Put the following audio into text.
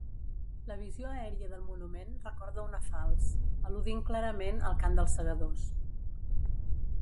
La visió aèria del monument recorda una falç, al·ludint clarament al cant dels Segadors.